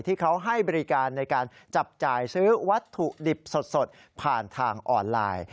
ให้เขาให้บริการในการจับจ่ายซื้อวัตถุดิบสดผ่านทางออนไลน์